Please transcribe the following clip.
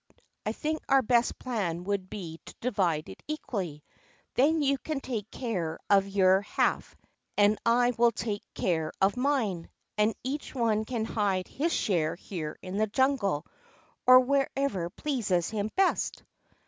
I think our best plan would be to divide it equally; then you can take care of your half, and I will take care of mine, and each one can hide his share here in the jungle, or wherever pleases him best."